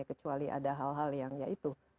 kecuali ada hal hal yang ya itu